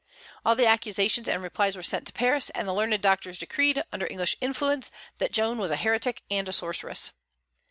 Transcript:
All the accusations and replies were sent to Paris, and the learned doctors decreed, under English influence, that Joan was a heretic and a sorceress.